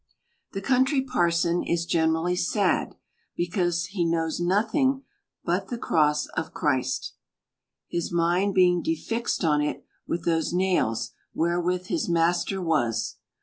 The Country Parson is generally sad, because he knows nothing but the cross of Christ ; his mind being defixed on it with those nails wherewith his Master was.